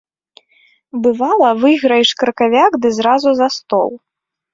Бывала, выйграеш кракавяк ды зразу за стол.